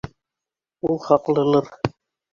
Ул хаҡлылыр.